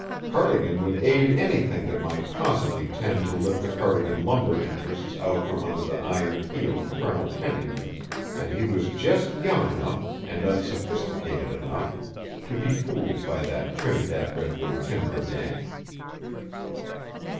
Cardigan would aid anything that might possibly tend to lift the Cardigan lumber interests out from under the iron heel of Colonel Pennington and he was just young enough and unsophisticated enough to be fooled by that Trinidad Redwood Timber gang.